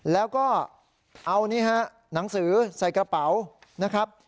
แล้วก็เอานี่ฮะหนังสือใส่กระเป๋านะครับ